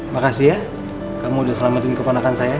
makasih ya kamu udah selamatin keponakan saya